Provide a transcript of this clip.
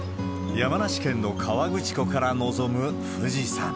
山梨県の川口湖から望む富士山。